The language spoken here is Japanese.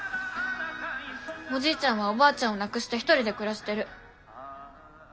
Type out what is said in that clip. おじいちゃんはおばあちゃんを亡くして一人で暮らしてる。